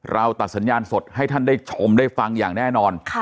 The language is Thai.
เราตัดสัญญาณสดให้ท่านได้ชมได้ฟังอย่างแน่นอน